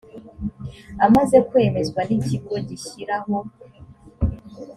amaze kwemezwa n ikigo gishyiraho